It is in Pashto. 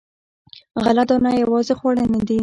غله دانه یوازې خواړه نه دي.